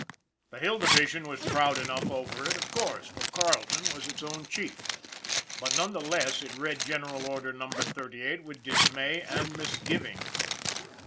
THE Hill Division was proud enough over it, of course, for Carleton was its old chief; but, none the less, it read General Order Number 38 with dismay and misgiving.